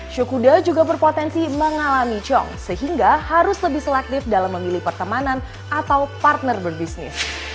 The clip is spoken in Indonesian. syukude juga berpotensi mengalami cong sehingga harus lebih selektif dalam memilih pertemanan atau partner berbisnis